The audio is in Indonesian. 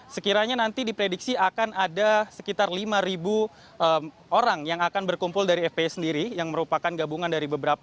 sekiranya nanti diprediksi akan ada sekitar lima orang yang akan berkumpul dari fpi sendiri yang merupakan gabungan dari beberapa